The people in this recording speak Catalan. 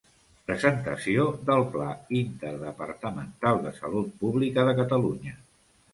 Presentació del Pla interdepartamental de salut pública de Catalunya.